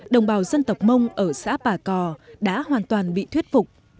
đồng bào dân tộc mông ở xã bà cò đã hoàn toàn bị thuyết phục